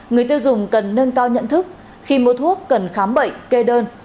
người tiêu dùng cần nâng cao nhận thức khi mua thuốc cần khám bệnh kê đơn